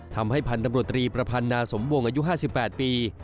ทำให้พันธบรตรีประพันธ์นาสมวงอายุ๕๘ปี